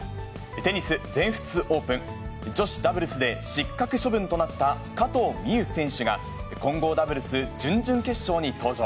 テニス全仏オープン、女子ダブルスで失格処分となった加藤未唯選手が、混合ダブルス準々決勝に登場。